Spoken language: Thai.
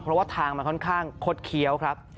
เพราะว่าทางมันค่อนข้างคดเคี้ยวครับ